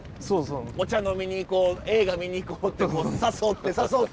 お茶飲みに行こう映画見に行こうって誘って誘って。